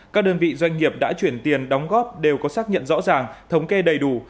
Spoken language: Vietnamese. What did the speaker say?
các đơn vị doanh nghiệp đã chuyển tiền đóng góp đều có xác nhận rõ ràng thống kê đầy đủ